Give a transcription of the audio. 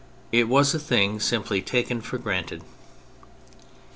It was a thing simply taken for granted.